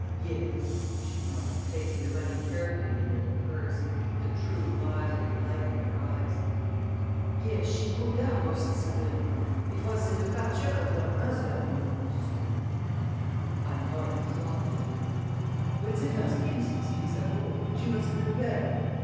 "Yes," she nodded, placing the money carefully in an old purse, with the true miserly light in her eyes. "Yes she broke down most sudden it was the departure of her mother, you know, monsieur." I nodded thoughtfully. "When they first came, six weeks ago, she was quite well.